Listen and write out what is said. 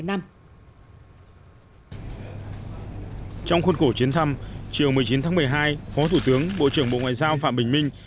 trong khuôn khổ chuyến thăm chiều một mươi chín tháng một mươi hai phó thủ tướng bộ trưởng bộ ngoại giao phạm bình minh